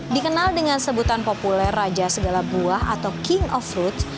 dikenal dengan sebutan populer raja segala buah atau king of fruit